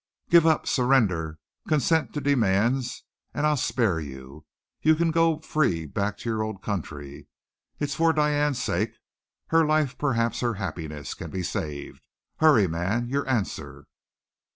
"Give up! Surrender! Consent to demands and I'll spare you. You can go free back to your old country. It's for Diane's sake! Her life, perhaps her happiness, can be saved! Hurry, man! Your answer!"